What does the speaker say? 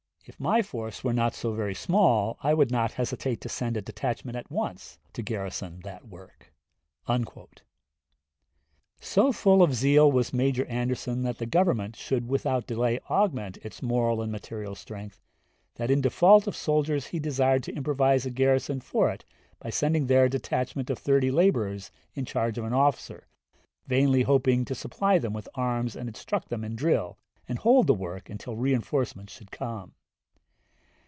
If my force was not so very small I would not hesitate to send a detachment at once to garrison that work." So full of zeal was Major Anderson that the Government should without delay augment its moral and material strength, that in default of soldiers he desired to improvise a garrison for it by sending there a detachment of thirty laborers in charge of an officer, vainly hoping to supply them with arms and instruct them in drill, and hold the work until reënforcements should come.